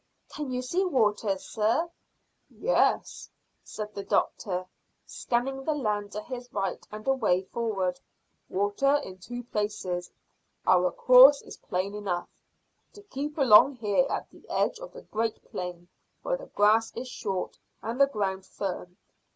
"Can you see water, sir?" "Yes," said the doctor, scanning the land to his right and away forward; "water in two places. Our course is plain enough to keep along here at the edge of the great plain where the grass is short and the ground firm.